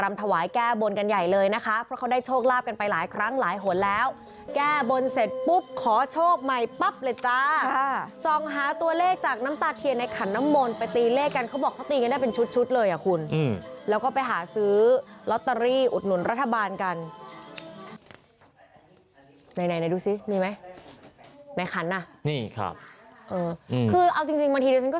มันทำไมมันหยดออกมาได้บางทีชัดเจนขนาดนั้นเดียวมันก็เหมือนเลยเนาะเอออะไรแบบนี้